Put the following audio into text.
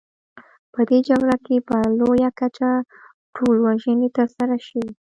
په دې جګړه کې په لویه کچه ټولوژنې ترسره شوې.